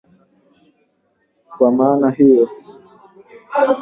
lililopo popote lililo moja tu kila mahali na kila wakati Kwa maana hiyo